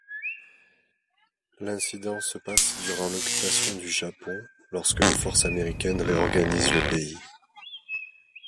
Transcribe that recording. L'incident se passe durant l'occupation du Japon lorsque les forces américaines réorganisent le pays.